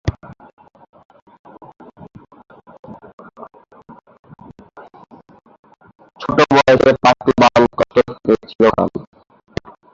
এটি একটি পোশাক বাণিজ্যিক আয়োজন।